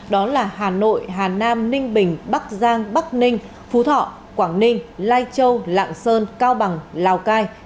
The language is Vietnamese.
đó là hà nội hà nam ninh bình bắc giang bắc ninh phú thọ quảng ninh lai châu lạng sơn cao bằng lào cai